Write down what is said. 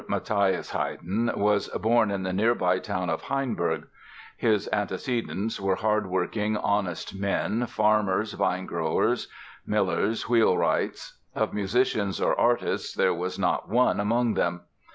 ] Haydn's father, Mathias Haydn, was born in the nearby town of Hainburg; his antecedents were hard working, honest men, farmers, vinegrowers, millers, wheel wrights. Of musicians or artists there was not one among them.